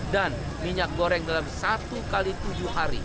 dan minyak goreng dalam satu kali tujuh